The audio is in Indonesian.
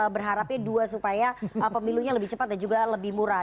berharapnya dua supaya pemilunya lebih cepat dan juga lebih murah